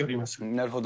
なるほど。